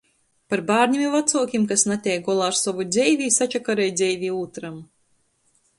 Par bārnim i vacuokim, kas nateik golā ar sovu dzeivi i sačakarej dzeivi ūtram.